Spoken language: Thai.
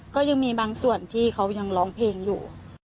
ก็ยังมีบางส่วนที่เขายังร้องเพลงอยู่